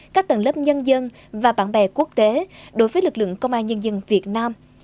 các tầng lớp nhân dân và bạn bè quốc tế đối với lực lượng công an nhân dân việt nam